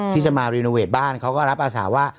ที่จะมารีโนเวทบ้านเขาก็รับอาสาว่า